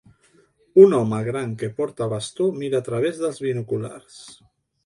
Un home gran que porta bastó mira a través dels binoculars